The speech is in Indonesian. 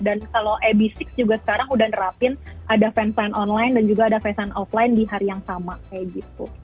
dan kalau ab enam ix juga sekarang udah nerapin ada fansign online dan juga ada fansign offline di hari yang sama kayak gitu